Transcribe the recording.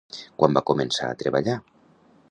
Quan va començar a treballar?